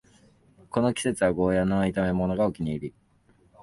この季節はゴーヤの炒めものがお気に入り